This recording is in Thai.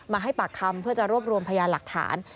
ให้ปากคำเพื่อจะรวบรวมพยานหลักฐาน